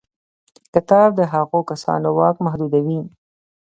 کتاب د هغو کسانو واک محدودوي.